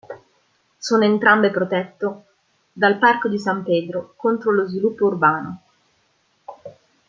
Sono entrambe protetto dal parco di San Pedro contro lo sviluppo urbano.